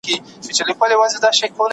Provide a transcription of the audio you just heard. سعید په خپل لاس کې انځور نیولی و.